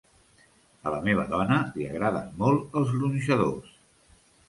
A la meva dona li agraden molt els gronxadors.